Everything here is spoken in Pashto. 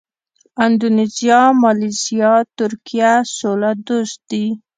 اندونیزیا، مالیزیا، ترکیه سوله دوست دي.